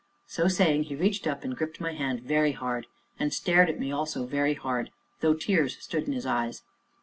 So saying, he reached up and gripped my hand very hard, and stared at me also very hard, though the tears stood in his eyes.